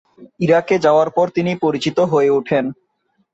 ইরাকে যাওয়ার পর তিনি পরিচিত হয়ে উঠেন।